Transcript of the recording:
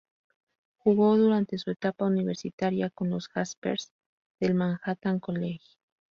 Jugó durante su etapa universitaria con los "Jaspers" del Manhattan College.